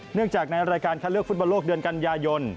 เนื่องจากในรายการคัดเลือกฟุตบอลโลกเดือนกันยายน